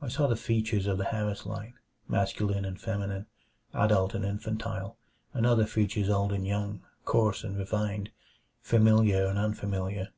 I saw the features of the Harris line, masculine and feminine, adult and infantile, and other features old and young, coarse and refined, familiar and unfamiliar.